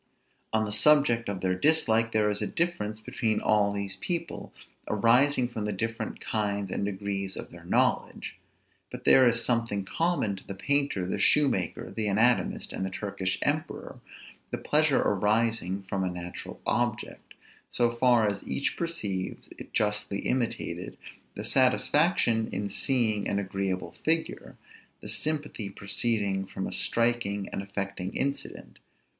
On the subject of their dislike there is a difference between all these people, arising from the different kinds and degrees of their knowledge; but there is something in common to the painter, the shoemaker, the anatomist, and the Turkish emperor, the pleasure arising from a natural object, so far as each perceives it justly imitated; the satisfaction in seeing an agreeable figure; the sympathy proceeding from a striking and affecting incident.